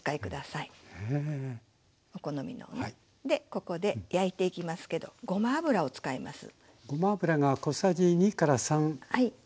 ここで焼いていきますけどごま油を使います。